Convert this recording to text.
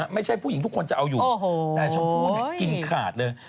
ผู้หญิงทุกคนจะเอาอยู่แต่ชมพู่กินขาดเลย